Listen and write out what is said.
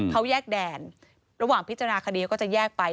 เขาแยกแดนระหว่างพิจารณาคดีก็จะแยกไป